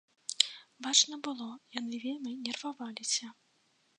Бачна было, яны вельмі нерваваліся.